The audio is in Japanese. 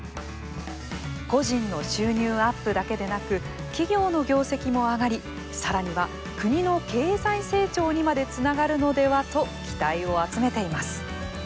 個人の収入アップだけでなく企業の業績も上がり、さらには国の経済成長にまでつながるのではと期待を集めています。